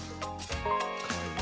かわいいな。